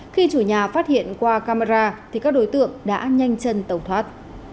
khi chủ nhà phát hiện qua camera thì các đối tượng đã nhanh chân tẩu thoát